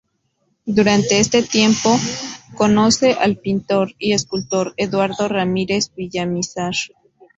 Durante este tiempo conoce al pintor y escultor Eduardo Ramírez Villamizar.